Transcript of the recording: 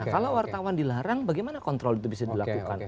nah kalau wartawan dilarang bagaimana kontrol itu bisa dilakukan